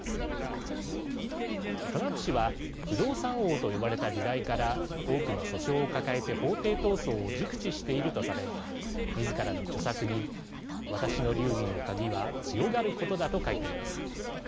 トランプ氏は不動産王と呼ばれた時代から多くの訴訟を抱えて法廷闘争を熟知しているとされみずからの著作に「私の流儀の鍵は強がることだ」と書いています。